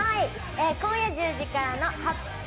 今夜１０時からの「発表！